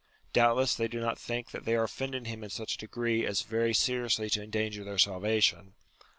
Doubtless, they do not think that they are offending him in such a degree as very seriously to endanger their salvation.